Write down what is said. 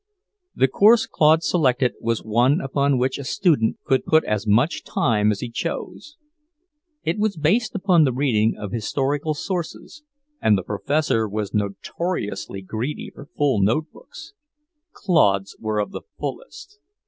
The course Claude selected was one upon which a student could put as much time as he chose. It was based upon the reading of historical sources, and the Professor was notoriously greedy for full notebooks. Claude's were of the fullest.